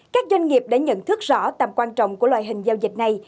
các doanh nghiệp đã nhận thức rõ tầm quan trọng của loại hình giao dịch này